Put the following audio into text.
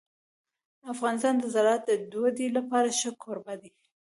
افغانستان د زراعت د ودې لپاره ښه کوربه دی.